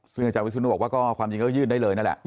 ซึ่งอาจารย์วิศนุบอกว่าก็ความจริงก็ยื่นได้เลยนั่นแหละ